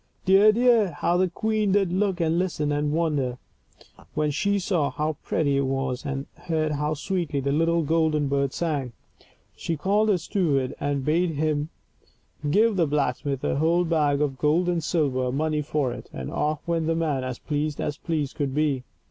Dear, dear, how the queen did look and listen and wonder, when she saw how pretty it was, and heard how sweetly the little golden bird sang. She called her steward and bade him give the blacksmith a whole bag of gold and silver money for it, and off went the man as pleased as pleased could be.